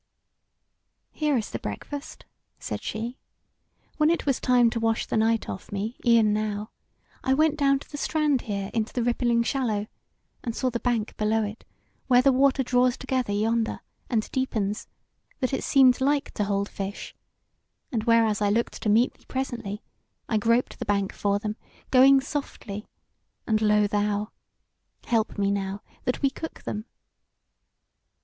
"Here is the breakfast," said she; "when it was time to wash the night off me e'en now, I went down the strand here into the rippling shallow, and saw the bank below it, where the water draws together yonder, and deepens, that it seemed like to hold fish; and whereas I looked to meet thee presently, I groped the bank for them, going softly; and lo thou! Help me now, that we cook them."